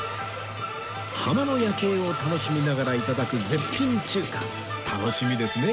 ハマの夜景を楽しみながら頂く絶品中華楽しみですね